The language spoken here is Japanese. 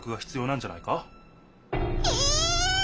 え！？